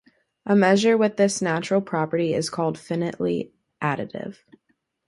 A measure with this natural property is called "finitely additive".